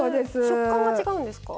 食感が違うんですか？